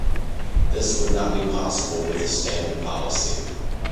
This would not be possible with the standard policy.